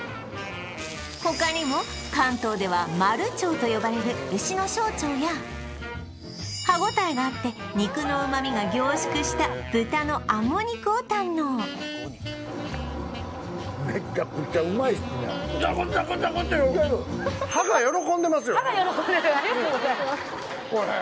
他にも関東ではマルチョウと呼ばれる牛の小腸や歯応えがあって肉の旨みが凝縮した豚のあご肉を堪能歯が喜んでるありがとうございます